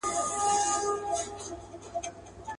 چا له بېري هلته سپوڼ نه سو وهلاى.